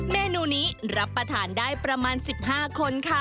เมนูนี้รับประทานได้ประมาณ๑๕คนค่ะ